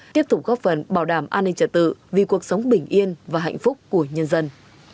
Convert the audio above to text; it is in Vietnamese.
tiếp tục góp phần bảo đảm an ninh trả tự vì cuộc sống bình yên và hạnh phúc của nhân dân